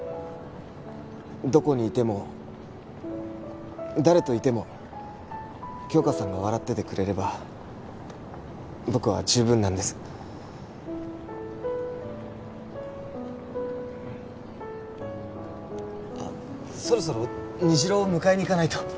どこにいても誰といても杏花さんが笑っててくれれば僕は十分なんですあそろそろ虹朗迎えにいかないと